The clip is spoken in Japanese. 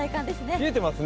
冷えてますね。